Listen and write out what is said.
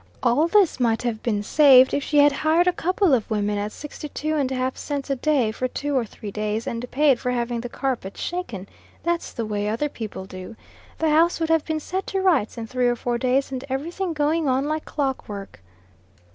All this might have been saved, if she had hired a couple of women at sixty two and a half cents a day for two or three days, and paid for having the carpets shaken; that's the way other people do. The house would have been set to rights in three or four days, and every thing going on like clockwork."